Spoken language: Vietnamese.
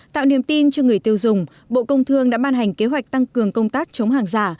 tạo niềm tin cho người tiêu dùng bộ công thương đã ban hành kế hoạch tăng cường công tác chống hàng giả